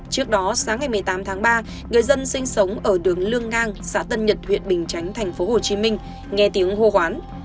trước đó sáng ngày một mươi tám tháng ba người dân sinh sống ở đường lương ngang xã tân nhật huyện bình chánh tp hcm nghe tiếng hô hoán